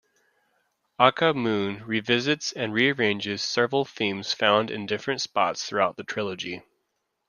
Aka Moon revisits and rearranges several themes found in different spots throughout the trilogy.